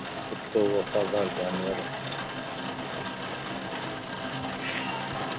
ڪتو وفادار جانور ا